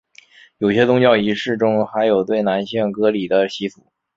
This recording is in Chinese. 有些宗教仪式中还有对男性割礼的习俗。